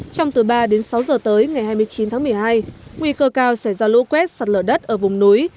trong từ ba đến sáu giờ tới ngày hai mươi chín tháng một mươi hai nguy cơ cao sẽ ra lũ quét sạt lở đất ở vùng núi